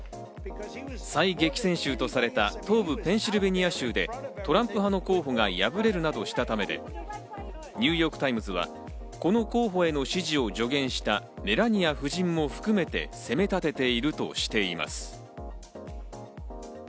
最激戦州とされた東部ペンシルベニア州で、トランプ派の候補が敗れるなどしたためで、ニューヨーク・タイムズはこの候補への支持を助言したメラニア夫人も含めて責め立てているとしています。